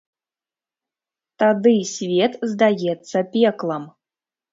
Тады свет здаецца пеклам.